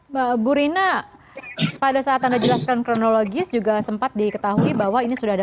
mbak bu rina pada saat anda jelaskan kronologis juga sempat diketahui bahwa ini sudah ada